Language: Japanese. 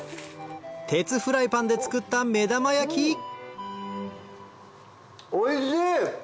鉄フライパンで作った目玉焼きおいしい！